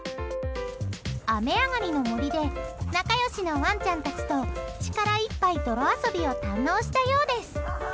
雨上がりの森で仲良しのワンちゃんたちと力いっぱい泥遊びを堪能したようです。